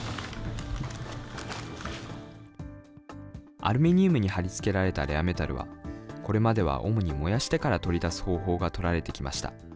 アルミニウムに貼り付けられたレアメタルは、これまでは主に燃やしてから取り出す方法が取られてきました。